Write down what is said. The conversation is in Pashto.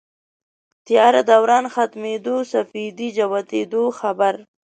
تیاره دوران ختمېدو سپېدې جوتېدو خبر